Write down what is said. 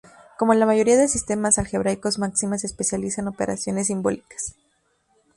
Como la mayoría de sistemas algebraicos, Maxima se especializa en operaciones simbólicas.